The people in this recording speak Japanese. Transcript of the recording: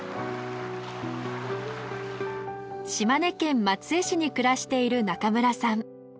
島根県松江市に暮らしている中村さん。